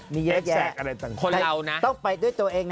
มีเยอะแยะต้องไปด้วยตัวเอง